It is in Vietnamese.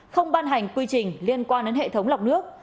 không ban hành quy trình liên quan đến hệ thống lọc nước